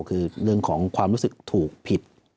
คือเรื่องของความรู้สึกถูกผิด